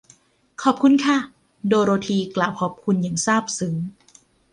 ขอบคุณค่ะ โดโรธี กล่าวขอบคุณ อย่างซาบซึ้ง